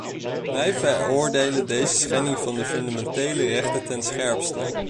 Wij veroordelen deze schendingen van de fundamentele rechten ten scherpste.